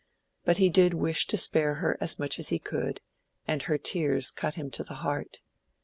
But he did wish to spare her as much as he could, and her tears cut him to the heart.